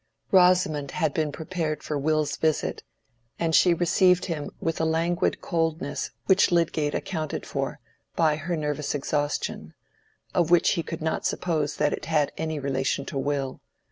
Rosamond had been prepared for Will's visit, and she received him with a languid coldness which Lydgate accounted for by her nervous exhaustion, of which he could not suppose that it had any relation to Will.